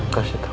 kasih tau aku